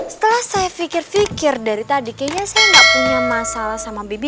setelah saya pikir pikir dari tadi kayaknya saya nggak punya masalah sama bibi